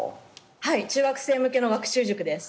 はい中学生向けの学習塾です。